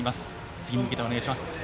次に向けてお願いします。